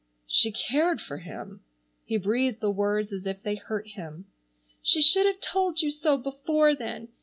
"She cared for him," he breathed the words as if they hurt him. "She should have told you so before then.